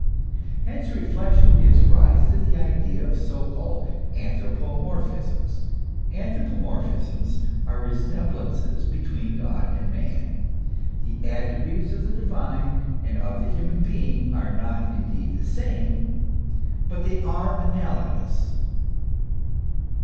Hence reflection gives rise to the idea of so called anthropomorphisms. Anthropomorphisms are resemblances between God and man. The attributes of the divine and of the human being are not indeed the same, but they are analogous.